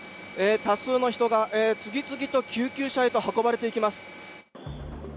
多数の人が次々と救急車へと運ばれていきます。